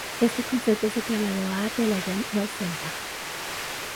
Este concepto se trasladó a "The Legend of Zelda".